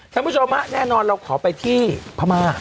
ท่านผู้ชมฮะแน่นอนเราขอไปที่พม่า